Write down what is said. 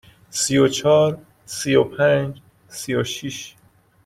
سی و چهار، سی و پنج، سی و شش.